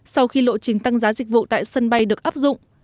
sau khi lộ trình tăng giá dịch vụ tại sân bay được áp dụng